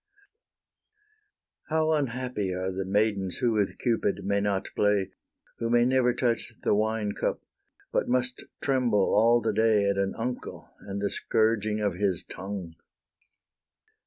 How unhappy are the maidens who with Cupid may not play, Who may never touch the wine cup, but must tremble all the day At an uncle, and the scourging of his tongue!